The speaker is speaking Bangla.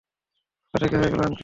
বাবা থেকে হয়ে গেল আঙ্কেল।